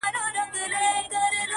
هلته ذیشان د شبقدر ولاړ وي